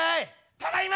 ただいま！